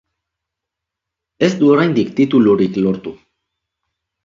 Ez du oraindik titulurik lortu.